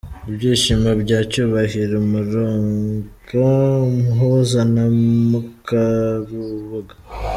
Ibyishimo bya Cyubahiro, umurunga umuhuza na Mukarubuga.